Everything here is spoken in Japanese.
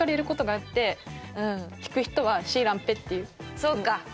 そうか。